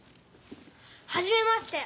はじめまして。